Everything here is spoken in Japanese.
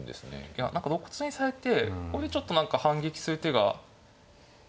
いや何か露骨にされてそれでちょっと何か反撃する手が。